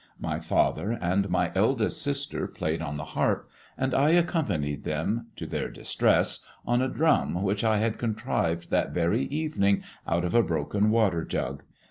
My father and my eldest sister played on the harp, and I accompanied them, to their distress, on a drum which I had contrived that very evening out of a broken water jug.